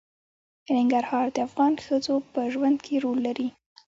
ننګرهار د افغان ښځو په ژوند کې رول لري.